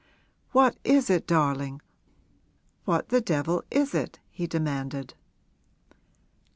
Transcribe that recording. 'What is it, darling, what the devil is it?' he demanded.